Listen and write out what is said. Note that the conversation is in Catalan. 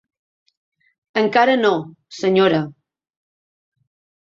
Encara no, senyora.